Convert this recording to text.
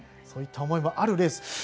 そういった思いもあるレース。